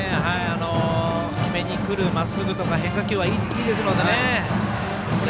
決めにくるまっすぐとか変化球はいいですのでね。